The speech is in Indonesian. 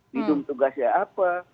bidung tugasnya apa